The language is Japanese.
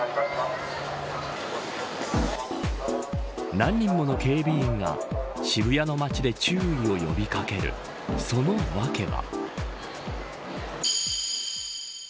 何人もの警備員が渋谷の街で注意を呼び掛けるその訳は。